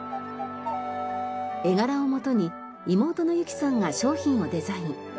絵柄をもとに妹の祐紀さんが商品をデザイン。